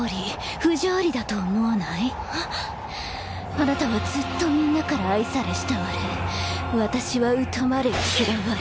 あなたはずっとみんなから愛され慕われ私は疎まれ嫌われ。